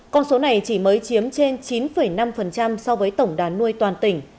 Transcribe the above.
con số này chỉ mới chiếm trên chín năm so với tổng đàn nuôi toàn tỉnh